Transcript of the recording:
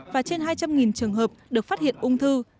và trên hai trăm linh trường hợp được phát hiện ung thư